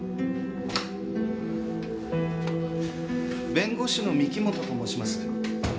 弁護士の御木本と申します。